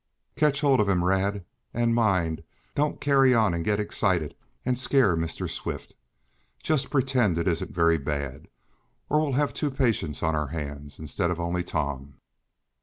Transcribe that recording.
"Catch hold of him, Rad, and, mind, don't carry on, and get excited, and scare Mr. Swift. Just pretend it isn't very bad, or we'll have two patients on our hands instead of only Tom."